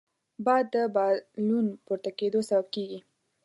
باد د بالون پورته کېدو سبب کېږي